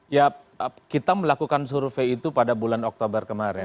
ya kita melakukan survei itu pada bulan oktober kemarin